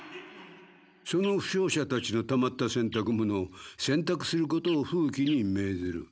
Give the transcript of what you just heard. その負傷者たちのたまった洗濯物を洗濯することを風鬼に命ずる。